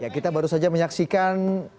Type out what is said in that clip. kita baru saja menyaksikan